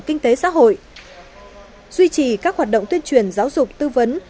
kinh tế xã hội duy trì các hoạt động tuyên truyền giáo dục tư vấn